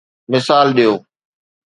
مثال ڏيو.